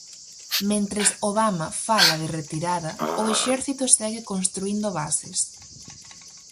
Mentres Obama fala de retirada, o exército segue construíndo bases.